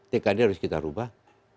tkd harus kita rubah